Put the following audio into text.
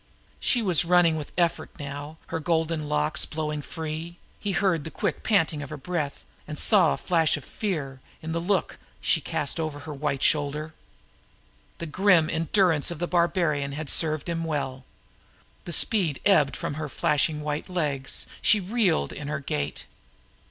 She was running with effort now, her golden locks blowing free; he heard the quick panting of her breath, and saw a flash of fear in the look she cast over her alabaster shoulder. The grim endurance of the warrior had served him well. The speed ebbed from her flashing white legs; she reeled in her gait.